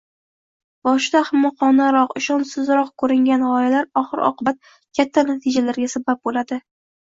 Boshida ahmoqonaroq, ishonchsizroq koʻringan gʻoyalar oxir-oqibat katta natijalarga sabab boʻladi